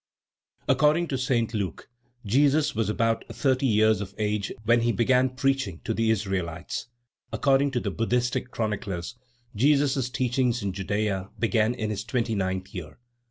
According to St. Luke, Jesus was about thirty years of age when he began preaching to the Israelites. According to the Buddhistic chroniclers, Jesus's teachings in Judea began in his twenty ninth year.